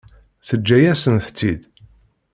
Teǧǧa-yasent-tt-id.